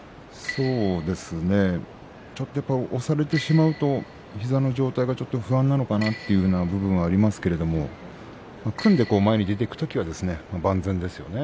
そうですねちょっと押されてしまうと、膝の状態がちょっと不安なのかなという部分がありますけれども組んで前に出ていくときは万全ですよね。